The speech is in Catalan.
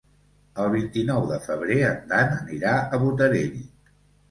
El vint-i-nou de febrer en Dan anirà a Botarell.